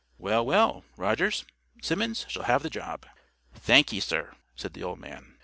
"Well, well, Rogers, Simmons shall have the job." "Thank ye, sir," said the old man.